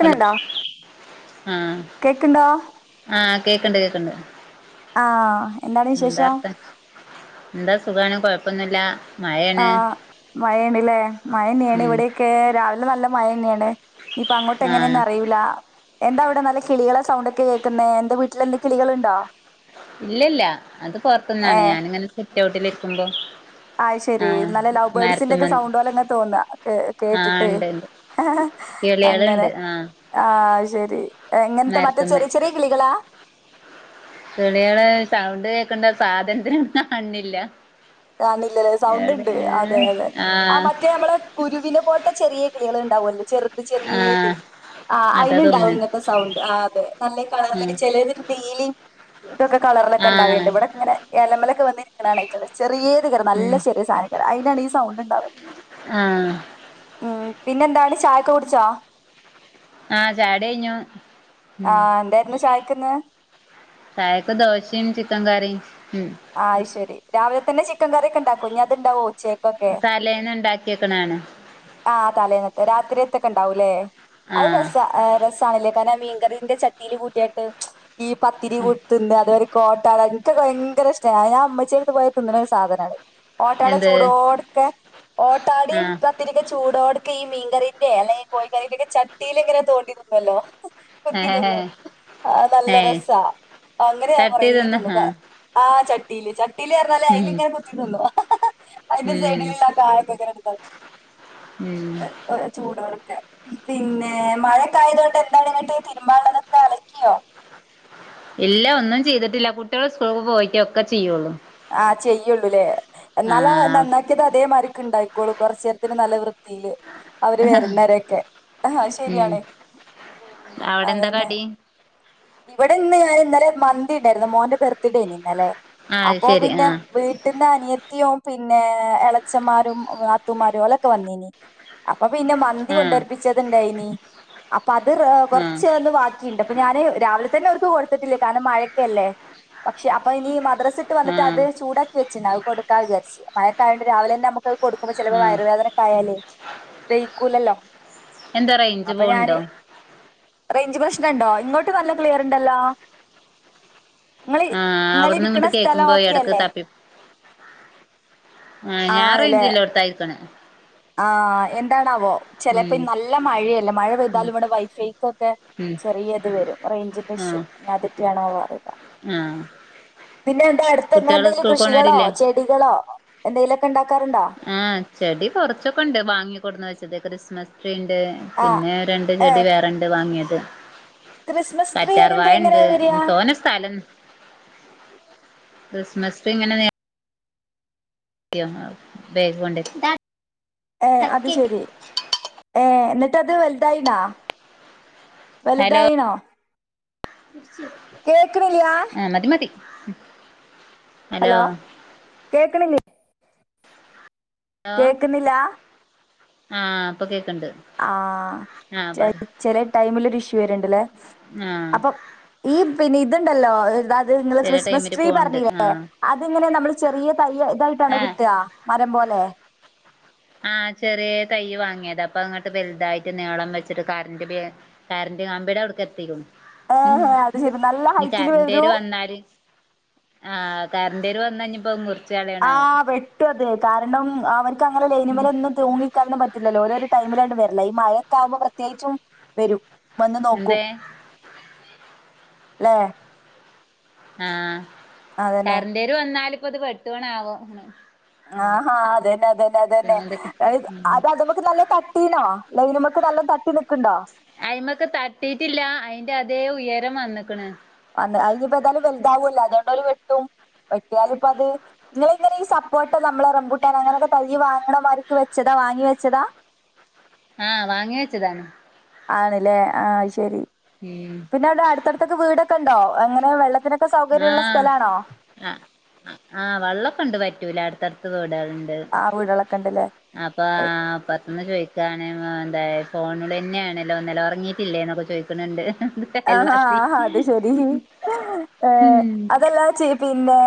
Hello ആഹ കേക്കണ്ടോ ആഹ കേക്കണ്ട് കേക്കണ്ട് ആഹ് എന്താണ് വിശേഷം എന്താർഥ എന്താ സുഖമാണ് കൊഴപ്പൊന്നുമില്ല ആഹ മഴയണ്ടല്ലേ മഴ തന്നെയാണ് ഉം ഇവിടെൊക്കെ രാവിലെ നല്ല മഴ തന്നെയാണ് ഇപ്പ അങ്ങോട്ട് ആഹ് എങ്ങനെയൊന്നും അറിയിൂല എന്താ അവിടെ നല്ല കിളികളാ സൗണ്ട് ഒക്കെ കേൾക്കുന്നേ എൻന്റെ വീട്ടിൽ എന്ത് കിളികളുണ്ടോ ഇല്ലല്ല അത് പുറത്തുന്നാണ് ഏഹ് ഞാനിങ്ങനെ സെറ്റ് ഔട്ടിൽിരിക്കുമ്പോ ആഹ് ശെരി നല്ല ലവ്ബേർഡ്സിന്റെ ഒക്കെ സൗണ്ട് പോലെ അങ്ങെ തോന്ന കേ ആഹ് കേട്ടിട്ട് ഇണ്ട് ഇണ്ട് അങ്ങനെ കിളികള്ണ്ട് ആഹ് ആ ശരി എങ്ങനത്തെ മറ്റേ മരത്ത്മ്മെ ചെറിയ ചെറിയ കിളികളാ? കെളികള് സൗണ്ട് കേക്കണ്ട് സാധനത്തിനെ ഇവിടുന്നു കാണ്ല്ലാ കാണില്ലല്ലേ സൗണ്ട് ഉണ്ട് അതെ അതെ ആ ആഹ് മറ്റേ നമ്മളെ കുരുവിനെ പോലത്തെ ചെറിയ കിളികൾ ഉണ്ടാവുമല്ലോ ചെറുത് ചെറിയത് ആഹ് അതാ ആ്അയിന് തോന്ന്ണ് ഇണ്ടാവും ഇന്നത്തെ സൗണ്ട്. ആ അതെ നല്ല ഉം കളറിലൊക്കെ ചെിലരിത് പീലി ഇതൊക്കെ കളറിലൊക്കെ ആഹ് ഉണ്ടാവലുണ്ട് ഇവിടൊക്കെ ഇങ്ങനെ എലമ്മലൊക്കെ വന്നിരിക്കണ കാണാ ഈറ്റേള്. ചെറിയേത് കര നല്ല ഉം ചെറിയ സാനാക്കാരം അതിനാണ് ഈ സൗണ്ട് ഉണ്ടാവല്. ആഹ് ഉം ഉം പിന്നെ എന്താണ് ചായൊക്കെ കുടിച്ചാ? ആഹ് ചായടി കഴിഞ്ഞു. ആ ഉം എന്തായിരുന്നു ചായക്ക്ന്ന്? ചായക്ക് ദോശയും ചിക്കൻ കറിയും. ഉം ആയിശരി രാവിലെ തന്നെ ചിക്കൻ കറിയ ഒക്കെ ഉണ്ടാക്കോ ഇനി അത് ഇണ്ടാവോ? തലേന്ന് ഉണ്ടാക്കിക്കണാണ്. ആ തലേന്നത്തെ രാത്രിയത്തൊക്കെ ഉണ്ടാവൂല്ലേ? അത് ആഹ് രസ രസാണല്ലേ കാര്ണ ആ മീൻ കറിന്റെ ചട്ടില് കൂട്ടിയാട്ട്. ഈ പത്തിരി കുത്തി തിന്ന അതോരെ കോട്ടാട എനിക്കൊക്കെ ഭയങ്കര ഇഷ് ഞാൻ ആ ഉമ്മച്ചീടുത്ത് പോയാ തിന്നണ ഒരു സാധനാണ്. ഓട്ടാട എന്ത് ചൂടോടക്കെ ഓട്ടാടയും ആഹ് പത്തിക്കെ ചൂടോട ഈ മീൻകറീന്റെ അല്ലെ ഈ കോഴിക്കറീന്റെ ഒക്കെ ചട്ടിയിൽ ഇങ്ങനെ തോണ്ടിതിന്നോല്ലോ ഏ ഹ ഹേ ആ നല്ല രസ അങ്ങനെ ഞാ ചട്ടി തിന്ന് കൊറേതിന്ന് ആഹ് ആ ചട്ടീല് ചട് ട്ടീല് പറഞ്ഞാലേ ഉം അയില് ഇങ്ങനെ കുത്തി തിന്നു. അതിന്റെ ഉം സൈഡിലുള്ള കായക്കെ ഇങ്ങനെ എടുത്തോണ്ട് ഉം ചൂടോ പിന്നെ മഴക്കായത് കൊണ്ട് എന്താണ് ഇങ്ങട്ട് തിരുമ്പാള്ളതൊക്കെ അലക്കിയോ? ഇല്ല ഒന്നും ചെയ്തിട്ടില്ല കുട്ടികൾ സ്കൂൾ പോയിക്ക ഒക്കെ ചെയ്യുള്ളൂ ആഹ് ചെയ്യുള്ളൂല്ലേ എന്നാലെ ആഹ് നന്നാക്കിയത് അതേമാരിക്ക് ഉണ്ടായിക്കോളൂ കുറച്ചു നേരത്തിന് നല്ല വൃ ത്തിയില്. അവര് വരുന്നരൊക്കെ അത് ഉം ശരിയാണ്. ഉം അവിടെ എന്താ അതന്നെ കടി? ഇവിടെ ഇന്ന് ഞാൻ ഇന്നലെ മന്തി ഉണ്ടായിരുന്നു മോന്റെ ബർത്ത്ഡേന് ഇന്നലെ. ആഹ് അത് അപ്പൊ ശരി പിന്നെ ആഹ് വീട്ടിന്റെ അനിയ ത്തിയും പിന്നെ എളച്ചന്മാരും നത്തുമാരും അല്ലൊക്കെ വന്നീനി അപ്പ പിന്നെ മന്തി ആഹ് കൊണ്ടരിപ്പിച്ചത്ണ്ടായിനി. അപ്പ അത് റേ ആഹ് കുറച്ച് ഒന്ന് ബാക്കിണ്ട്. അപ്പൊ ഞാന് രാവിലെ തന്നെ അവർക്ക് കൊടുത്തിട്ടില്ല. കാരണം മഴൊക്കല്ലേ പക്ഷെ അപ്പൊ ഇനി മദ്രസ്‌ വിട്ട് ആഹ് വന്നിട്ടത് ചൂടാക്കി വച്ച്ണ് അത് കൊടുക്കാ വിചാരിച്ച്. മഴാത്തയോണ്ട് രാവിലെന്നെ നമ ക്കത് കൊടുക്കുമ്പോ ചെലപ്പോ ആഹ് വയറുവേദനൊക്കായാലേ ദെയ്ക്കൂലല്ലോ എന്താ റേഞ്ച് അപ്പൊ ഞാന് പോവ്ണ്ടോ റെയ്ഞ്ച് പ്രശ് ണണ്ടോ? ഇങ്ങോട്ട് നല്ല ക്ലിയർണ്ടല്ലോ ആഹ് അവിട്ന്ന് ഇങ്ങട്ട് കേക്കുമ്പോ ഓക്കെ ഇടക്ക് അല്ലേ? തപ്പി ആ ഞാൻ റേഞ്ച്ള്ളോട്താ ഇരിക്ക്ണെ ആ എന്താണാവോ ചെലപ്പോ നല്ല മഴയല്ലെ മഴ ഉം പെയ്താലും ഇവിടെ വൈഫൈക്കൊക്കെ ഉം ചെറിയത് വരും റേഞ്ചിന്റെ ഇഷ്യു ആഹ് അതെറ്റാണോന്നറീല്ല ആഹ് പിന്നെന്താ കുട്ടികള് അടുത്ത്ങ്ങെളെന്തെങ്കിലും സ്കൂൾക്ക് കൃഷികളോ പോണവരില്ലേ ചെടികളോ എന്തെലൊക്ക്‌ ആ ചെടി കുറച്ചൊക്കെണ്ട് വാങ്ങിക്കൊടുന്ന് വെച്ചത് ക്രിസ്മസ് ട്രീയുണ്ട് ആ പിന്നെ രണ്ട് ഏ ചെടി വേറെണ്ട് വാങ്ങിയത് ക്രിസ്മസ് ട്രീ കറ്റാർ പറയുമ്പോ വായണ്ട്. എങ്ങനെയാ വരിക തോനസ്ഥലം ക്രിസ്മസ് ട്രീ ഇങ്ങനെ നേ ത്യാ ബേഗ് കൊണ്ടെ ഏ അത് ശെരി എന്നിട്ടത് വെല്തായീണാ? വലുതായിണോ? കേക്കണില്ല ആ മതി മതി ഹലോ കേക്ക്ണില്ലേ? കേക്ക്ന്നില്ലാ? ആഹ അപ്പൊ കേ ആഹ ചെ ചെലെ ടൈമിലൊരു ഇഷ്യൂ വരുണ്ട്ല്ലേ ആഹ് അപ്പൊ ഈ പിന്നെതുണ്ടല്ലോ ത് നിങ്ങള് ചെല ക്രിസ്മസ് ടൈമില് ട്രീ പോണ്ട് പറഞ്ഞില്ലേ ആഹ് അത്ങ്ങനെ നമ്മള് ചെറിയ തൈ ഇതായിട്ടാണോ ആഹ് കിട്ടാ മരം പോലെ ആഹ് ചെറിയ തൈയ്യിവാങ്ങിയതാ പ്പൊ ഇങ്ങട്ട് വലുതായിട്ട് നീളം വെച്ചിട്ട് കറന്റ് ക ന്റെ കാമ്പിടവിട്ക്കെത്തിക്ക്‌ണു ഉം ഏഹ് അത് ശരി നല്ല ഹൈറ്റിൽ ഇനിക്കരന്റെര് വരും വന്നാല് ആഹ് കരണ്ടെരോന്നെനിപ്പോ നി അ വെട്ടുത് കാരണം അവർക്ക് അങ്ങനെ ലേനിമലൊന്നും തൂങ്ങിക്കാരന്നും പറ്റില്ലല്ലോ ഓരോരോ ടൈമിലാണ്ട് വര്ല്ല ഈ മഴൊക്കാകുമ്പോ പ്രത്യേകിച്ചും വെരും വന്ന് നോക്കും എന്തേ ലേ? ആഹ കറിന്റെര് വന്നാലിപ്പോത് വെട്ടോണാവോ ആ ഹാ അതെന്നെ അതെന്നെ അതെന്നെ പിന്നെന്തൊക്കെ അത് അത്മ്മക്ക് നല്ലോ തട്ടീണോ? ലൈന്മ്മക്ക് നല്ല തട്ടി നി അയി്മക്ക് തട്ടിട്ടില്ല അയിന്റെ അതേ ഉയരം വന്ന് ക്ക്ണ് അനിയിപ്പോ എന്താലും വലുതാവൂല്ലോ അതുകൊണ്ടൊരു വെട്ടും വയ്യാലിപ്പൊ അത് നിങ്ങളിങ്ങനെ ഈ സപ്പോട്ട നമ്മൾ റംമ്പൂട്ടാൻ അങ്ങനൊക്കെ തയ്യി വാങ്ങണമാർക്ക് വെച്ചതാ? വാങ്ങി വെച്ചതാ ആ വാങ്ങി വെച്ചതാണ് ആണ്ല്ലേ ആഹ ശെരി ഉം പിന്നെ അവിടെ അടുത്തടുത്തൊക്കെ വീടൊക്കെണ്ടോ എങ്ങനെ വെള്ളത്തിനക്കെ ആഹ അ ആ വെള്ളോക്കെണ്ട് വറ്റൂല അടുത്തടുത്ത് വ് ണ്ട് ണ്ട് ആ വീടുകളൊക്കെ ഉണ്ടല്ലേ അപ്പൊ ആ [inaudible] ന്ന് ചോയ്ക്കാണെ എന്തായ് ഫോണിലെന്നാണല്ലോ ന്നെലെ ഉറങ്ങിയിട്ടില്ലേന്നൊക്കെ ചോയ് ക്ക്ണണ്ട് ആഹാ ആ ഹാ അത്ശെരി അതെല്ലാം ചെയ് പിന്നെ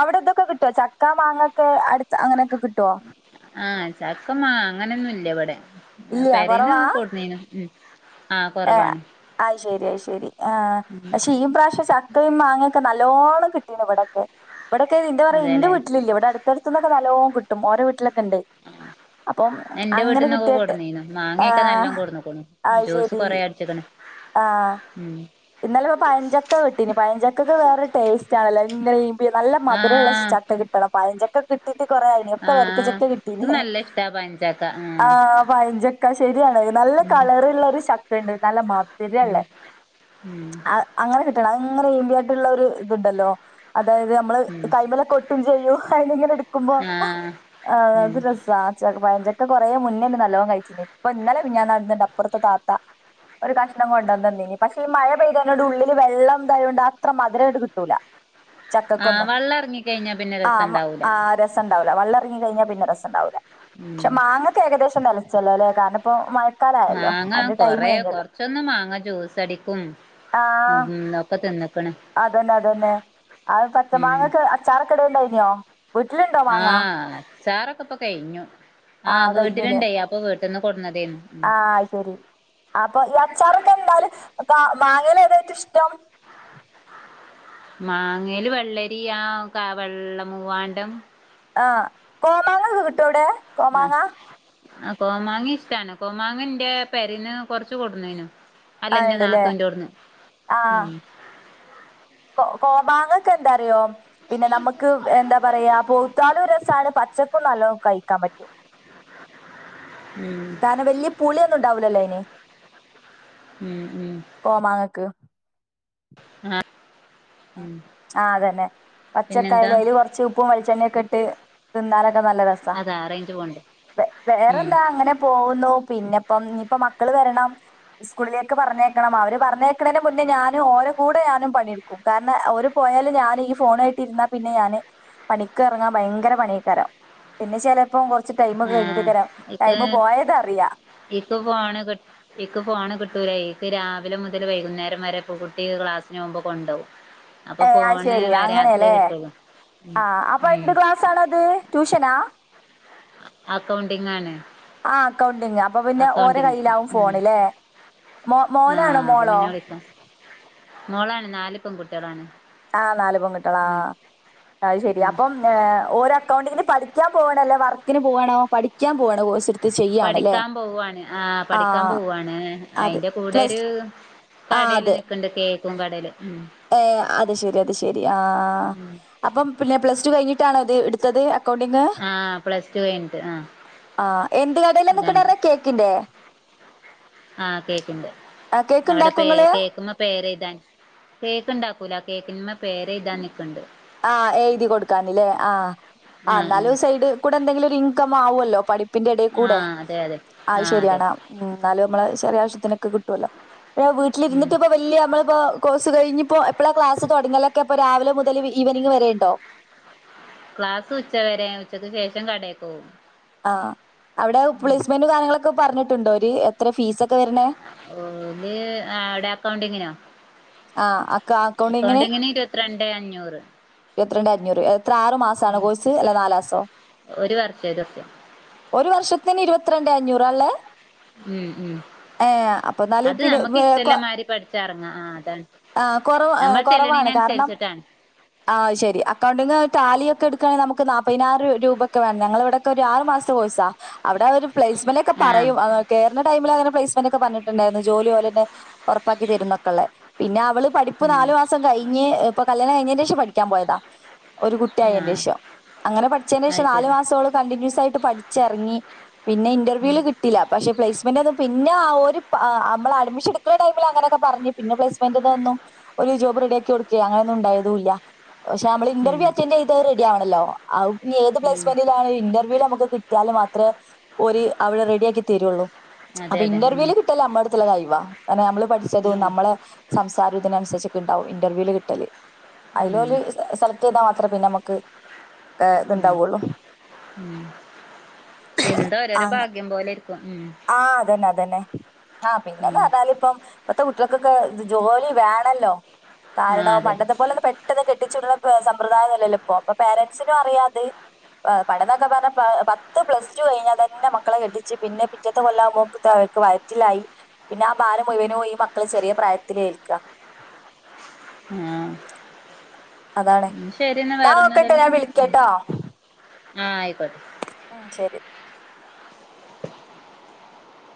അവിടെതൊക്കെ കിട്ടൊ ചക്ക മാങ്ങൊക്കെ അട്താങ്ങനെ ആഹ ചക്കമാങ്ങനൊന്നുല്ലവിടെ ഇല്ല പെരേന്ന് കുറവാ കൊട്ന്നീനു ഏ ആ ശരിയയി ശരി ആ പക്ഷെ ഈ പ്രാശ്യം ചക്കയും മാങ്ങൊക്കെ നല്ല ലോണ് കിട്ടീന്വ്ടൊക്കെ വിടെക്കെ എന്റെ അതെല്ലേ വീട്ടിലില്ല വിടെ അട്ത്തട്ത്ത്ന്നൊക്കെ നല്ലോകിട്ടും ഓരവീട്ടിലൊക്കെണ്ട് എന്റെ വീട്ടന്നൊക്കെ കൊടന്നീനു മാങ്ങോക്കെ ആഹ് നല്ലോണം കൊടന്നക്കണു ഇ കുറേര്ച്ച്ക്ക്‌ണ് ആഹ ഇന്നല ഇപ്പോ പയഞ്ചക്ക വെട്ടിന പയഞ്ചക്കക്ക് വേറെ ടേസ്റ്റ് ആണല്ലോ ഇ നല്ല മധുരമുള്ള ആഹ് ചക്ക കിട്ടണം പഴചക്ക കട്ടട്ട് കുറായിന ഒക്കെ ആഹ് വരക്കച്ചക്കെ ഇത് കിട്ടീനേ നല്ല ഇഷ്ടാ പഞ്ചാക്ക ആ ആഹ് പയഞ്ചക്ക ശരിയാണ് നല്ല ഉം കളറള്ള ഒരു ചക്ക ഉണ്ട് നല്ല മ ഉം ഉം അ അങ്ങനെ കിട്ടണം അത്ങ്ങനെ എമ്പിയ ആയിട്ടുള്ള ഒരു ഇതുണ്ടല്ലോ അതായത് നമ്മള് ഉം കൈമല കൊട്ടും ചെയ്യോ അ ഇങ്ങനെ എടു ആഹ് മ്പോത് ഉം രസ പഞ്ചക്കെ കൊറേ മുന്നേ നല്ലോണം കഴിച്ചി ഇപ്പൊ ഇന്നലെ പിന്ന ഞൻ നടന്നണ്ട് അപ്പുറത്തെ താത്ത ഒരു കഷ്ണം കൊണ്ടുവന്ന് ഇനി പക്ഷെ ഈ മഴ പെയ്തതിനോട് ഉള്ളില് വെള്ളം ഇതായോണ്ട് കൊണ്ട് അത്ര മധുരമായിട്ട് കിട്ടൂല ആഹ് ചക്കക്കൊന്നു വള്ളം എറങ്ങിക്കഴിഞ്ഞാ പിന്നെ ആ രസണ്ടാവൂല ആ രസംണ്ടാവ വെള്ളം ഇറങ്ങി കഴിഞ്ഞാൽ പിന്നെ രസം ഉണ്ടാവില്ല ഉം പക്ഷെ മാങ്ങക്കെ ഏകദേശം തലിച്ചല്ലോ അല്ലെ കാരണം മഴക്കാലായല്ലോ മാങ്ങ അതിന്റെ കൊറ ടൈം കഴിഞ്ഞല്ലോ കൊറച്ചൊന്ന് മാങ്ങ ജ്യൂസ് സടിക്കും ആ ഇന്നത്തെ തിന്ന് അതന്നെ അതന്നെ അത് പച്ചമാങ്ങക്കെ അച്ചാറക്കെട ഉണ്ടായിനോ ആഹ ചാറൊക്കെ ഇപ്പൊ കഴിഞ്ഞു ആഹ ആഹ് കഴിഞ്ഞുല്ലേ വീട്ടിലിണ്ടായി അപ്പൊ വീട്ടന്ന് കൊടുന്നതന്ന് ഉ ആഹ് അത് ശരി അപ്പൊ ഈ അച്ചാറൊക്കെ എന്താല് മാങ്ങയില ഏതായിട്ടും ഇഷ്ടം മാങ്ങൽ വെള്ളരി ആ കാ വെള്ള മൂവാണ്ടം ആ കോമാങ്ങക്ക് കിട്ടും അവിടെ ആഹ കോമാങ്ങ ആ കോമാങ്ങ ഇഷ്ടമാണ് കോമാങ്ങ എന്റെ പരന്ന് കൊറച്ച് കൊടുന്നേനു അല്ല ആഹ് എൻറെ ഉണ്ടല്ലേ നാത്തൂവിന്റെടന്ന് ആഹ് ഉ കോ കോമാങ്ങക്കെ എന്താറിയോ പിന്നെ നമുക്ക് എന്താ പറയാ പൊത്താളും രസമാണ് പച്ചക്കും നല്ല കഴിക്കാൻ പറ്റും ഉം കാരണം വലിയ പുളിയൊന്നും ഉണ്ടാവലല്ലോ ഇനെ ഉം ഉം കോമാങ്ങക്ക് ആഹ ഉ ആ അതന്നെ പിന്നെന്താ പച്ചക്കായലതില് കൊറച്ച് ഉപ്പും വെളിച്ചെണ്ണയൊക്കെ ഇട്ട് തിന്നാല നല്ല രസ അതാ റേഞ്ച് പോണ്ട് ഉം വേറെന്താ അങ്ങനെ പോകുന്നു പിന്നെപ്പം ഇയിപ്പ മക്കള് വരണം സ്കൂളിലേക്കെ പറഞ്ഞേക്കണം അവര് പറഞ്ഞേക്കണതി മുന്നേ ഞാൻ ഓര കൂടെ ഞാനും പണിയെടുക്കും കാരണം ഓരു പോയാലും ഞാൻ ഈ ഫോണായിട്ടരുന്ന പിന്നെ ഞാന് പണിക്ക് ഇറങ്ങാൻ ഭയങ്കര പണി കരം പിന്നെ ചില പ്പം കുറച്ച് ടൈമ ആഹ് കഴിഞ്ഞിട്ട്ക്കരാം ടൈമ പോയത് അറിയാം ഇക്ക ഫോണ് ക ഇക്ക ഫോണ് കിട്ടൂരായി ക്ക് രാവിലെ മുതൽ വൈകുന്നേരം വരെ കുട്ടി ക്ലാസ്സിന് പോകുമ്പോ കൊണ്ടാവും അപ്പൊ ഏ അത് ഫോണ് ശെരി രാത്രിയേ അങ്ങനെയല്ലേ കിട്ടുള്ളൂ ആ അപ്പൊ ഉം എന്ത് ക്ലാസ് ആണത് ട്യൂഷനാ അക്കൗണ്ടിംഗ ആ അക്കൗണ്ടിങ് അപ്പൊ പിന്നെ ഓരോ അക്കൗണ്ടിങ് കയ്യിലാവും ഫോണല്ലേ ആ് അപ്പൊ പിന്നെ വിളിക്കാം മോളാണ് നാല പെൺകുട്ടികളാണ് ആഹ് നാല് പൊങ്കിട്ടള ആഹ് ആ അത് ശെരി ഉം അപ്പം ഓര് അക്കൗണ്ടിനെ പഠി ക്കാൻ പോകണല്ലേ വർക്കി പോണോ പഠിക്കാൻ പോവാണ് ആ പഠിക്കാൻ ആഹ് പോവുവാണ് അതെ അയിന്റെ കൂടെ പ്ലസ് കടേല് നക്കണ്ട് കേക്കും കടേല് ഏ അത് ശെരി അത് ശെരി ആ അപ്പം പിന്നെ പ്ലസ് ടു കഴിഞ്ഞിട്ടാണ എടുത്തത് അക്കൗണ്ടിങ് ആഹ പ്ലസ് ടു കഴിഞ്ഞിട്ട് ആ ആഹ് എന്ത് കടയില നക്കണ്ടരുന്ന കേക്കിന്റെ ആഹ് കേക്കിന്റെ കേക്ക് അവിടെ ഇണ്ടാക്കോ പേ ഇങ്ങള് കേക്ക് പേരെഴുതാൻ കേക്ക് ഇണ്ടാക്കൂല കേക്കിന്മെ പേര് എഴുതാന് ആഹ് എഴുതി കൊടുക്കാനിലെ ആ ആഹ് ന്നാലും സൈഡ് കൂടെ എന്തെങ്കിലും ഇൻകം അവൊല്ലോ പഠി പ്പിന്റെ ആഹ് ഇടേകൂടെ ആഹ് അതെ അതെ അത് ആഹ് അതെ ശരിയാണ് ന്നാലും നമ്മളെ ചെറിയ ആവശ്യത്തിനൊക്കെ കിട്ടൊല്ലോ അല്ല ഉം വീട്ടിലിരിട്ട് ഇപ്പ വല്യ നമ്മളിപ്പോ കോഴ്സ് കഴിഞ്ഞിപ്പോ എപ്പളാ ക്ലാസ് തുടങ്ങലൊക്കെ ഇപ്പൊ രാവിലെ മുതൽ ഈവനിങ് വരെ ഉണ്ടോ ക്ലാസ് ഉച്ച വരെ ഉച്ചക്ക് ശേഷം കടയിൽ പോവും ആ അവിടെ പ്ലേസ്മെന്റും കാര്യങ്ങളൊക്കെ പറഞ്ഞിട്ടുണ്ടോ അവര് എ ഓല് അവിടെ അക്കൗണ്ടിങ്ങിനോ ആഹ് അക്ക അക്കൗണ്ടിങ്ങിന് ഇരുപത്തിരണ്ടേ അഞ്ഞൂറ് ഇരുപത്തിരണ്ട് അഞ്ഞൂറ് എത്ര ആറ് മാസാണോ കോഴ്സ് അല്ല നാലാസോ ഒരു വർഷം ഒരു വർഷം ഒരു വർഷത്തിന് ഇരുപത്തിരണ്ട് അഞ്ഞൂറാള്ളെ ഉം ഉം എന്നാല് അത് നമുക്ക് പിന്നെ ഇഷ്ടല്ല മാരി പഠിച്ച് ഇറങ്ങ ആ അതാണ് ആ കുറവ് ആ നമ്മൾ ചെല്ല്ണിന കുറവാണ് കാരണം അനുസരിച്ചിട്ടാണ് ആഹ് ശ് ശരി അക്കൗണ്ടിങ്ങ് ടാലിഒക്കെ എടുക്കുയാണെങ്കി നമുക്ക് നാപ്പതിനായിരം രൂപയക്കെ വേണം ഞങ്ങളെ ഇവിടൊക്കെ ഒരു ആറ് മാസ ത്തെ കോഴ്സാ അവിടെ അവരു ഒരു പ്ലേസ്മെന്റ ഒക്കെ ആഹ് പറയും കേറുന്ന ടൈമിൽ അങ്ങനെ പ്ലെസ് മെന്റലൊക്കെ പറഞ്ഞിട്ടുണ്ടായിരുന്നു ജോലി ഒലെന്നെ ഉറപ്പാക്കി തരുന്നൊക്കെള്ളെ പിന്നെ അവള് പഠിപ്പ് ഉം നാല് മാസം കഴിഞ്ഞ് ഇപ്പൊ കല്യാണം കഴിഞെന്റെ ശേഷം പഠിക്കാൻ പോയതാ ഒരു ആഹ് കുട്ടിയായന്റെഷം അങ്ങനെ പഠിച്ചയ്ന് അത് ശേഷം നാല് ശരി മാസം ഓള് കണ്ടിന്യൂസ് ആയിട്ട് പഠിച്ചറങ്ങി പിന്നെ ഉം ഇന്റർവ്യൂയില് കിട്ടില പക്ഷെ പ്ലേസ്മെന്റ് പിന്നെ ഒരു പാ നമ്മള് അഡ്മിഷൻടുക്കുന്ന ടൈമില് അങ്ങനെക്കെ പറഞ്ഞു പിന്നെ പ്ലൈസ്മെന്റോന്നും ഒരു ജോബ് റെഡിയാക്കി കൊടുക്കേ അങ്ങന ഒന്നും ഉണ്ടായില്ല ഏതുല്ല പക്ഷെ നമ്മൾ ഇന്റർവ്യു ഉം അറ്റന്റ് ചെയ്തത് റെഡി ആവണല്ലോ അഹ് ഏത് ഉം പ്ലേസ്മെന്റിലായാലും ഇന്റർവ്യൂ നമുക്ക് കിയാല് മാത്രം അത്ര ഒരു അവിടെ റെഡി ആക്കി തരൊ ള്ളൂ അതെ അപ്പൊ അതെ ഉം ഇന്റർവ്യൂൽ കിട്ടല് നമ്മളെ അടുത്തുള്ള കൈവാ അ നമ്മള് പഠിച്ചതും ആഹ് നമ്മളെ സംസാരും ഇതിനനുസരിച്ചൊക്കെണ്ടാവും ഇന്റർവ്യൂല് കിട്ടല് അതില് ഉം ഓല് സെലക്ട് ചെയ്താൽ മാത്രമേ പിന്നെ മ്മക്ക് ഉം ഇത്ണ്ടാവൊ ള്ളു എന്താ ഓരോരോ ഭാഗ്യം പോലെ ഇരിക്കും ഉം ആ അതന്നെ അതന്നെ ആഹ് പിന്നെന്ന് ഉം പറഞ്ഞാല് ഇപ്പം ഇപ്പത്തെ കുട്ടികൾക്കൊക്കെ ജോലി വേണല്ലോ ആ കാരണം അതെ പണ്ടത്തെ പോലെന്ന്‌ പെട്ടെന്ന് കെട്ടി ച്ച്ട്ണ സമ്പ്രദായൊന്നുല്ലല്ലോ ഇപ്പോ പേരന്റസിനും അറിയാത് പടനോക്കെ പറഞ്ഞാ പത്ത് പ്ലസ് ടു കഴിഞ്ഞാൽ തന്നെ മക്കളെ കെട്ടിച്ച് പിന്നെ പിറ്റെത്തെ കൊല്ലാകുമ്പോഴേയ്ക്ക് ത വയറ്റിലായി പിന്നെ ആ ഭാരം മുഴുവനും ഈ മക്കള് ഈ ചെറിയ പ്രായത്തില് ഏൽക്കാ ആഹ് അതാണ് ഉം ശരിന്നാ എന്നാ വേറെ നോക്കട്ടെ ഒന്നുല്ലല്ലോ ഞാൻ ഉം വിളിക്കട്ടോ ആഹ് ആയിക്കോട്ടെ ഉം ശരി